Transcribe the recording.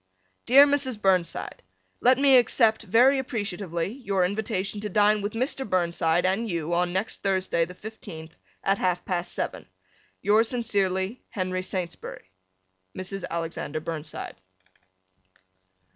Dear Mrs. Burnside: Let me accept very appreciatively your invitation to dine with Mr. Burnside and you on next Thursday, the fifteenth, at half past seven. Yours sincerely, Henry Saintsbury. Mrs. Alexander Burnside.